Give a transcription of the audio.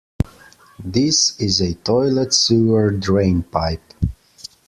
This is a toilet sewer drain pipe.